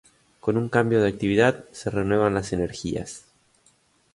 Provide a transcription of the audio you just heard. Con un cambio de actividad se renuevan las energias.